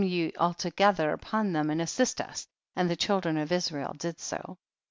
then come you altogether upon them and assist us, and the children of Is rael did so.